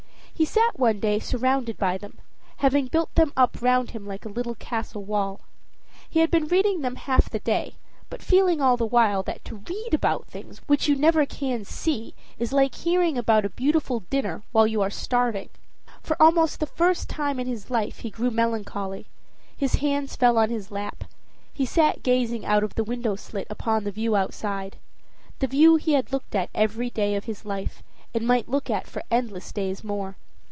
He sat one day surrounded by them, having built them up round him like a little castle wall. He had been reading them half the day, but feeling all the while that to read about things which you never can see is like hearing about a beautiful dinner while you are starving. For almost the first time in his life he grew melancholy; his hands fell on his lap; he sat gazing out of the window slit upon the view outside the view he had looked at every day of his life, and might look at for endless days more.